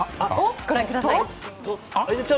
ご覧ください。